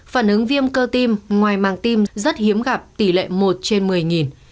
phản ứng viêm cơ tiêm ngoài mang tiêm rất hiếm gặp tỷ lệ một trên một mươi